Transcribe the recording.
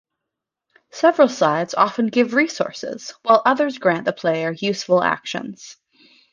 Several sides often give resources while others grant the player useful actions.